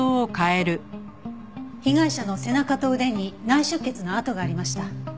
被害者の背中と腕に内出血の痕がありました。